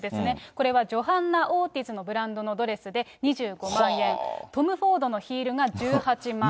これはジョハンナ・オーティズのブランドのドレスで２５万円、トム・フォードのヒールが１８万円。